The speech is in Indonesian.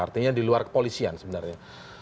artinya di luar kepolisian sebenarnya